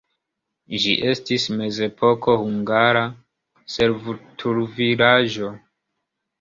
Ĝi estis mezepoko hungara servutulvilaĝo.